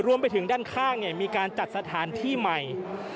รวมไปถึงด้านข้างมีการจัดสถานที่ใหม่